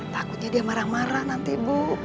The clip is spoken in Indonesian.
takutnya dia marah marah nanti bu